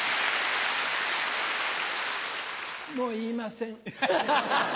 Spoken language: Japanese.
もう言いません。